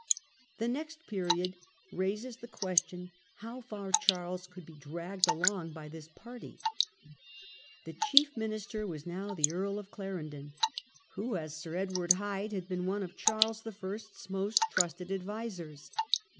The next period raises the question how far Charles could be dragged along by this party. The chief minister was now the Earl of Clarendon, who, as Sir Edward Hyde, had been one of Charles the First's most trusted advisers.